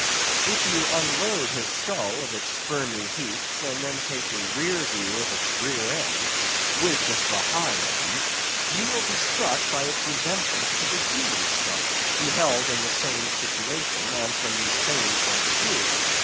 If you unload his skull of its spermy heaps and then take a rear view of its rear end, which is the high end, you will be struck by its resemblance to the human skull, beheld in the same situation, and from the same point of view.